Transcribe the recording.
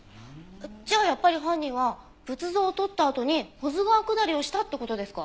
じゃあやっぱり犯人は仏像をとったあとに保津川下りをしたって事ですか？